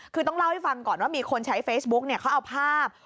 คือต้องเล่าให้ฟังก่อนว่ามีคนใช้เฟซบุ๊กเขาเอาภาพ